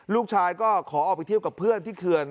ลูกชายก็ขอออกไปเที่ยวกับเพื่อนที่เขื่อน